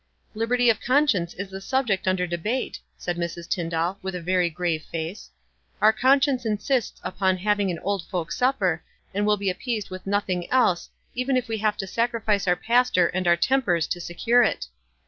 "Liberty of conscience is the subject under debate," said Mrs. Tyndall, with a vary grave 52 WTSE AND OTHERWISE. face. " Our conscience insists upon having an old folks' supper, and will be appeased vnth nothing else, even if we have to sacrifice our pastor and our tempers to secure it."